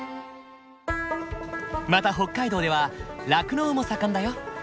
また北海道では酪農も盛んだよ。